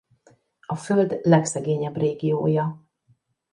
A Föld legszegényebb régiója.